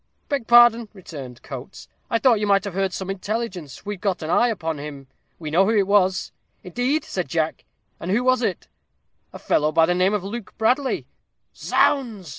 "Beg pardon," returned Coates; "I thought you might have heard some intelligence. We've got an eye upon him. We know who it was." "Indeed!" exclaimed Jack; "and who was it?" "A fellow known by the name of Luke Bradley." "Zounds!"